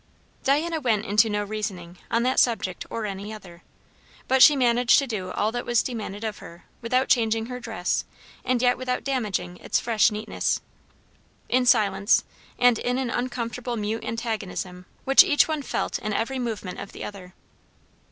Diana went into no reasoning, on that subject or any other; but she managed to do all that was demanded of her without changing her dress, and yet without damaging its fresh neatness. In silence, and in an uncomfortable mute antagonism which each one felt in every movement of the other.